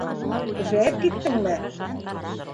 Көсәйеп киттеңме?